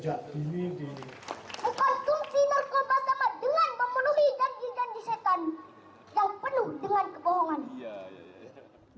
jauh penuh dengan kebohongan